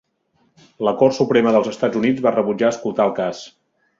La Cort Suprema dels Estats Units va rebutjar escoltar el cas.